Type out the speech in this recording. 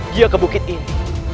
dia ke bukit ini